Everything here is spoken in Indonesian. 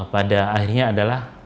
pada akhirnya adalah